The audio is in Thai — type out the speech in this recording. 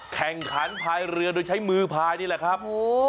แข่งขันพลายเรือโดยใช้มือพลายนี่แหละครับ